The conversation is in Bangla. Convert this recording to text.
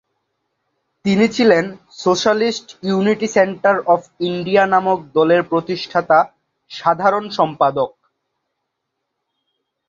তিনি ছিলেন socialist unity centre of India নামক দলের প্রতিষ্ঠাতা-সাধারণ সম্পাদক।